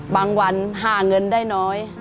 วันหาเงินได้น้อย